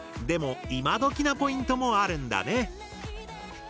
でもイマドキなポイントもあるんだね。